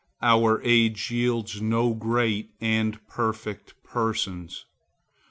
Our age yields no great and perfect persons.